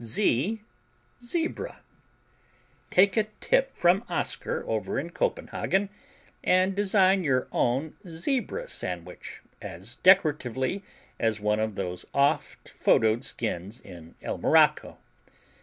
Z Zebra Take a tip from Oskar over in Copenhagen and design your own Zebra sandwich as decoratively as one of those oft photoed skins in El Morocco.